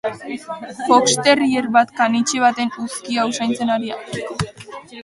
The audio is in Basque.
Fox-terrier bat caniche baten uzkia usaintzen ari da.